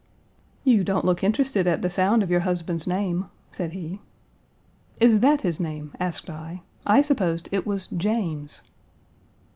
"You don't look interested at the sound of your husband's name?" said he. "Is that his name?" asked I. "I supposed it was James."